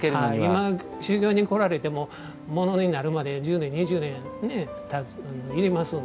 今修業に来られてもものになるまで１０年２０年要りますんでね。